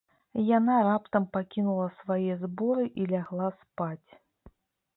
Яна раптам пакінула свае зборы і лягла спаць.